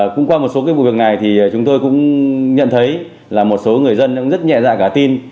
cũng qua một số cái vụ việc này thì chúng tôi cũng nhận thấy là một số người dân cũng rất nhẹ dạ cả tin